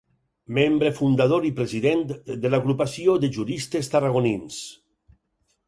Membre fundador i president de l'Agrupació de Juristes Tarragonins.